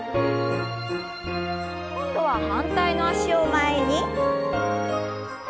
今度は反対の脚を前に。